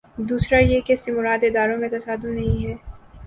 دوسرا یہ کہ اس سے مراد اداروں میں تصادم نہیں ہے۔